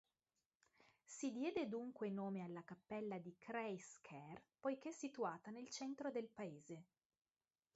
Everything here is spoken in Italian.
Si diede dunque nome alla cappella di "Kreis-ker" poiché situata nel centro del paese.